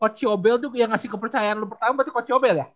coach siobel tuh yang ngasih kepercayaan lu pertama berarti coach siobel ya